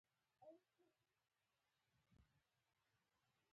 که د ځنګلونو د وهلو مخنیوی و نشی ډیری بدی پایلی به ولری